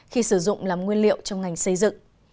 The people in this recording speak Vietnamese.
khi sử dụng làm nguyên liệu trong ngành xây dựng